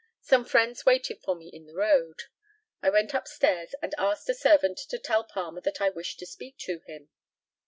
Some friends waited for me in the road. I went upstairs, and asked a servant to tell Palmer that I wished to speak to him.